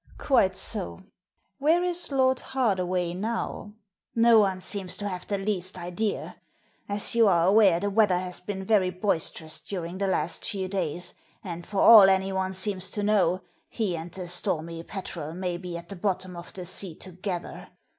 " Quite so. Where is Lord Hardaway now ?" •*No one seems to have the least idea. As you are aware, the weather has been very boisterous during the last few days, and, for all anyone seems to know, he and the Stormy Petrel may be at the bottom of the sea together.